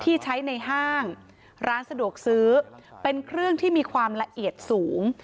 ที่ใช้ในห้างร้านสะดวกซื้อเป็นเครื่องที่มีความละเอียดสูง